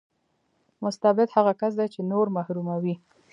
مستبد هغه کس دی چې نور محروموي.